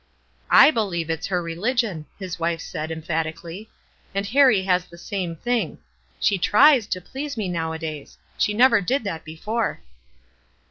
"/ believe it's her religion," his wife said, emphatically. " And Harrie has the same thing. She tries to please me nowadays. She never did that before."